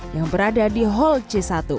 yang berada di hall c satu